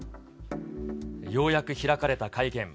ようやく開かれた会見。